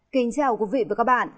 kính chào quý vị và các bạn